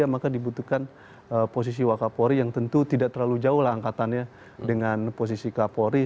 maka dibutuhkan posisi wakapori yang tentu tidak terlalu jauh lah angkatannya dengan posisi kapolri